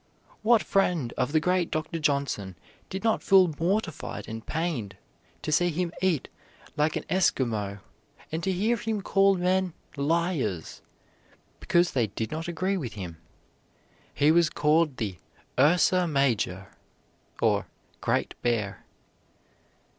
What friend of the great Dr. Johnson did not feel mortified and pained to see him eat like an Esquimau, and to hear him call men "liars" because they did not agree with him? He was called the "Ursa Major," or Great Bear.